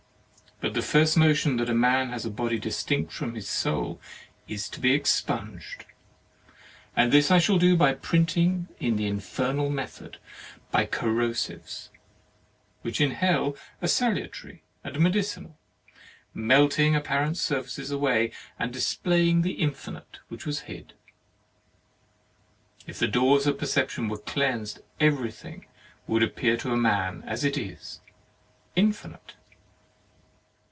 But first the notion that man has 25 THE MARRIAGE OF a body distinct from his soul is to be expunged; this I shall do by printing in the infernal method by corrosives, which in Hell are salutary and medici nal, melting apparent surfaces away, and displaying the infinite which was hid. If the doors of perception were cleansed everything would appear to man as it is, infinite.